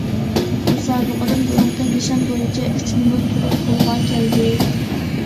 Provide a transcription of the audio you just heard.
مۇسابىقىدىن بۇرۇنقى نىشان بويىچە ئۈچ نومۇر تولۇق قولغا كەلدى.